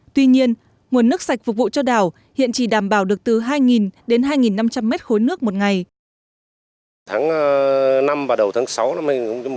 tuy nhiên nguồn nước sạch phục vụ cho đảo hiện chỉ đảm bảo được từ hai đến hai năm trăm linh mét khối nước một ngày